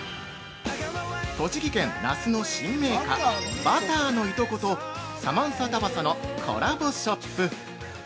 栃木県・那須の新銘菓「バターのいとこ」と「サマンサタバサ」のコラボショップ。